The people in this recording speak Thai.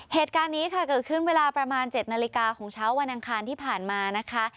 เหตุการณ์นี้ค่ะเกิดขึ้นเวลาประมาณ๗นาฬิกาของเช้าวันอังคารที่ผ่านมานะคะ